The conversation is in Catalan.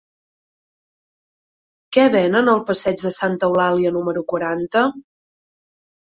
Què venen al passeig de Santa Eulàlia número quaranta?